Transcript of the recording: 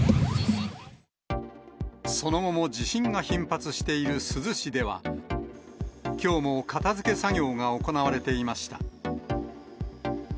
その後も地震が頻発している珠洲市では、きょうも片づけ作業が行われていました。